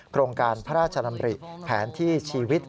โครงการพระราชดำริแผนที่ชีวิต